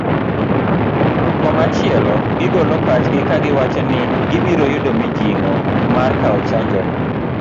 Komachielo gigolo pachgi kagiwacho ni gibiro yudo mijing'o mar kao chanjo no